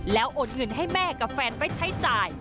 แล้วโอนเงินให้แม่กับแฟนไว้ใช้จ่าย